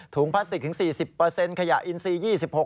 พลาสติกถึง๔๐ขยะอินซี๒๖